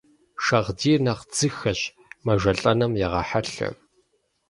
Шагъдийр нэхъ дзыхэщ, мэжэлӀэным егъэхьэлъэ.